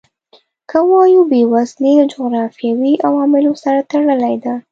که ووایو بېوزلي له جغرافیوي عواملو سره تړلې ده.